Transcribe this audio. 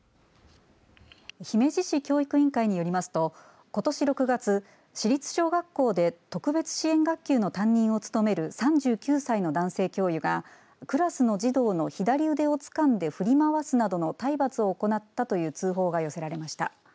姫路市教育委員会によりますとことし６月、市立小学校で特別支援学級の担任を務める３９歳の男性教諭がクラスの児童の左腕をつかんで振り回すなどの体罰を行ったという通報が寄せられました。